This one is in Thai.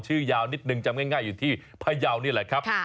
ยาวนิดนึงจำง่ายอยู่ที่พยาวนี่แหละครับ